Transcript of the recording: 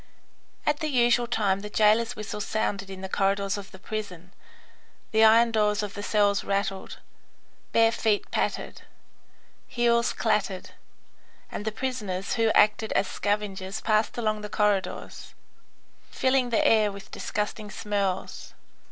At the usual time the jailer's whistle sounded in the corridors of the prison, the iron doors of the cells rattled, bare feet pattered, heels clattered, and the prisoners who acted as scavengers passed along the corridors, filling the air with disgusting smells.